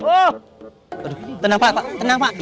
wah tenang pak tenang pak